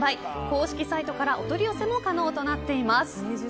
公式サイトからお取り寄せも可能となっています。